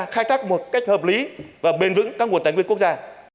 khai thác một cách hợp lý và bền vững các nguồn tài nguyên quốc gia